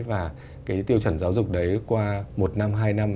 và cái tiêu chuẩn giáo dục đấy qua một năm hai năm